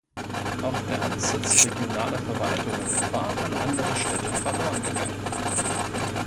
Auch der Amtssitz regionaler Verwaltungen war an andere Städte verloren gegangen.